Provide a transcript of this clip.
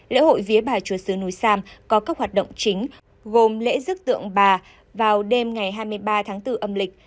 lễ hội vía bà chùa sứ núi sam có các hoạt động chính gồm lễ rước tượng bà vào đêm ngày hai mươi ba tháng bốn âm lịch